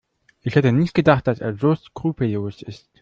Ich hätte nicht gedacht, dass er so skrupellos ist.